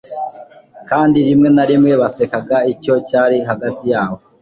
Kandi rimwe na rimwe basekaga icyo cyari hagati yabo